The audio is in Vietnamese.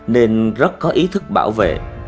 nên rất có ý thức bảo vệ